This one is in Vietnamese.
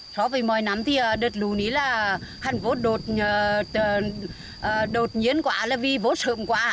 so với mọi năm thì đợt lũ này là hẳn vô đột nhiên quá là vì vô sợm quá